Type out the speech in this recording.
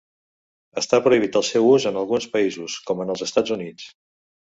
Està prohibit el seu ús en alguns països, com en els Estats Units.